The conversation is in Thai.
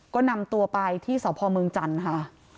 ก็นำตัวไปที่สพเมืองจันทร์ค่ะ